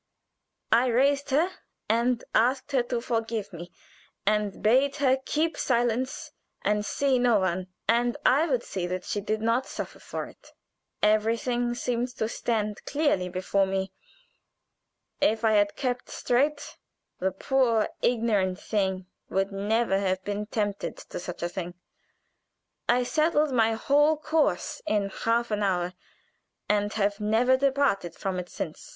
I raised her, and asked her to forgive me, and bade her keep silence and see no one, and I would see that she did not suffer for it. "Everything seemed to stand clearly before me. If I had kept straight, the poor ignorant thing would never have been tempted to such a thing. I settled my whole course in half an hour, and have never departed from it since.